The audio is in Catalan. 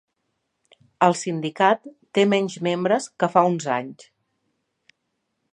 El sindicat té menys membres que fa uns anys.